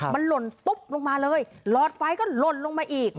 มันหล่นตุ๊บลงมาเลยหลอดไฟก็หล่นลงมาอีก